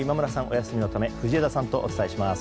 お休みのため藤枝さんとお伝えします。